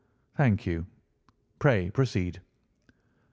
"Thank you. Pray proceed."